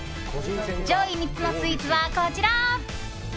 上位３つのスイーツはこちら。